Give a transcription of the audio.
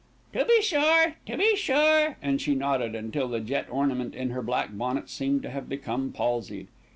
"To be sure, to be sure," and she nodded until the jet ornament in her black bonnet seemed to have become palsied.